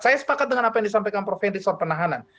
saya sepakat dengan apa yang disampaikan prof henry soal penahanan